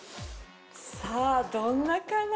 さぁどんなかな？